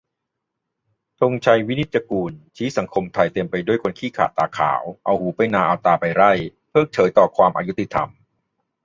ธงชัย วินิจจะกูล ชี้สังคมไทยเต็มไปด้วยคนขี้ขลาดตาขาว เอาหูไปนาเอาตาไปไร่ เพิกเฉยต่อความอยุติธรรม